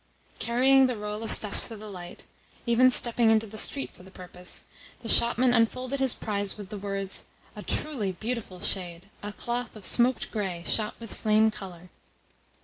Carrying the roll of stuff to the light even stepping into the street for the purpose the shopman unfolded his prize with the words, "A truly beautiful shade! A cloth of smoked grey, shot with flame colour!"